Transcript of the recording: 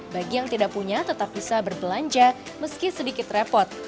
bagi yang tidak punya tetap bisa berbelanja meski sedikit repot